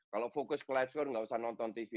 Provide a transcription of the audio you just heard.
kalau fokus ke live score tidak usah nonton tv